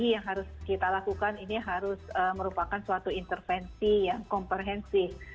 yang harus kita lakukan ini harus merupakan suatu intervensi yang komprehensif